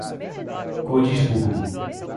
Cordisburgo